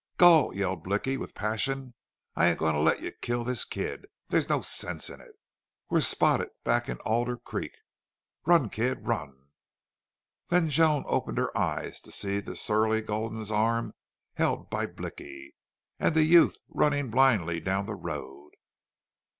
"Gul!" yelled Blicky, with passion. "I ain't a goin' to let you kill this kid! There's no sense in it. We're spotted back in Alder Creek.... Run, kid! Run!" Then Joan opened her eyes to see the surly Gulden's arm held by Blicky, and the youth running blindly down the road.